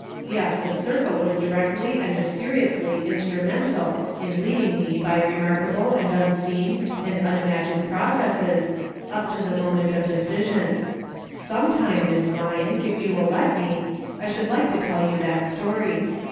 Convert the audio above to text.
Yes, the circle was directly and mysteriously instrumental in leading me by remarkable and unseen and unimagined processes up to the moment of decision; sometime, Miss "THAT BEATS ME !" 339 Vine, if you will let me, I should like to tell you that story.